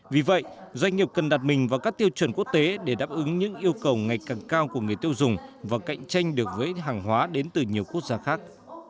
vì vậy doanh nghiệp cần đặt mình vào các tiêu chuẩn quốc tế để đáp ứng những yêu cầu ngày càng cao của người tiêu dùng và cạnh tranh được với hàng hóa đến từ nhiều quốc gia khác